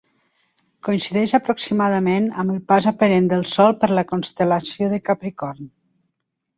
Coincideix aproximadament amb el pas aparent del Sol per la constel·lació de Capricorn.